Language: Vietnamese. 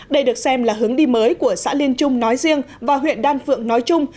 đây được xem là hướng đi mới của xã liên trung nói riêng và huyện đan phượng nói chung